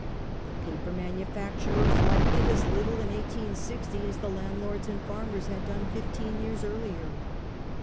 The paper manufacturers liked it as little in 1860 as the landlords and farmers had done fifteen years earlier.